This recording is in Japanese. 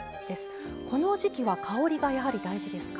この時季は香りがやはり大事ですか？